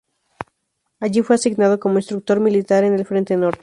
Allí fue asignado como instructor militar en el Frente Norte.